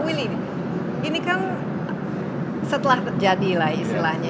willy ini kan setelah terjadi lah istilahnya